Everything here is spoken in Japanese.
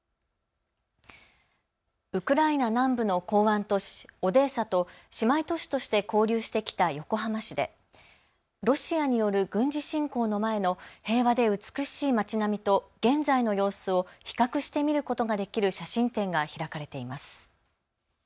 ウクライナ南部の港湾都市オデーサと姉妹都市として交流してきた横浜市でロシアによる軍事侵攻の前の平和で美しい町並みと現在の様子を比較して見ることができる写真展が開かれています。